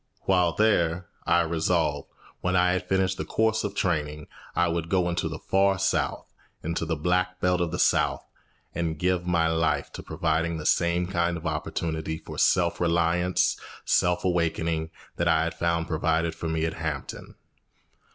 While there, I resolved, when I had finished the course of training, I would go into the Far South, into the Black Belt of the South, and give my life to providing the same kind of opportunity for self reliance, self awakening, that I had found provided for me at Hampton.